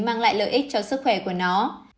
mang lại lợi ích cho sức khỏe của nó